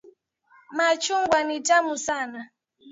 Machungwa ni tamu sana.